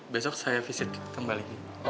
besok saya visit kembali